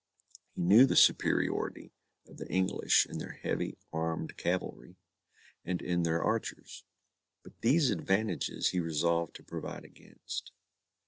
He knew the superiority of the English in their heavy armed cavalry, and in their archers. Both these advantages he resolved to provide against.